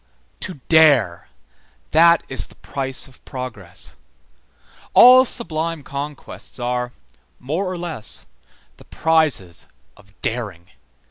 To dare; that is the price of progress. All sublime conquests are, more or less, the prizes of daring.